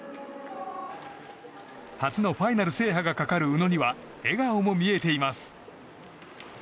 初のファイナル制覇がかかる宇野には笑顔も見えています。